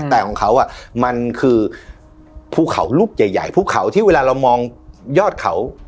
แต่ของเขามันคือภูเขาลูกใหญ่ภูเขาที่เวลาเรามองยอดเขา